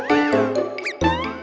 gigi permisi dulu ya mas